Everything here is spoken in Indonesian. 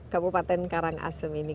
kabupaten karangasem ini